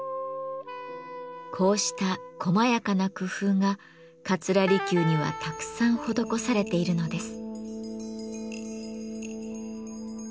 こうしたこまやかな工夫が桂離宮にはたくさん施されているのです。